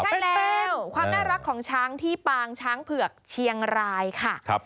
ใช่แล้วความน่ารักของช้างที่ปางช้างเผือกเชียงรายค่ะ